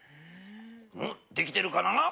できてるかな？